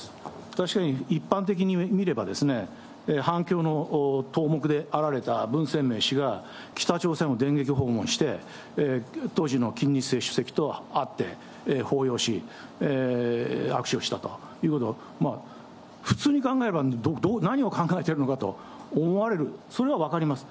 確かに一般的に見れば、反共のであられた文鮮明氏が北朝鮮を電撃訪問して、当時の金日成主席と会って抱擁し、握手をしたということは、普通に考えれば、何を考えているのかと思われる、それは分かります。